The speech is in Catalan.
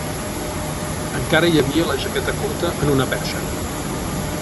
Encara hi havia la jaqueta curta en una perxa.